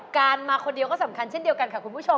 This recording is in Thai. มาคนเดียวก็สำคัญเช่นเดียวกันค่ะคุณผู้ชม